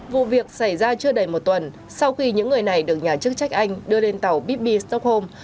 vụ việc xảy ra chưa đầy một tuần sau khi những người này được nhà chức trách anh đưa lên tàu bb stockholm